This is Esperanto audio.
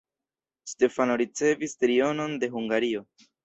Stefano ricevis trionon de Hungario.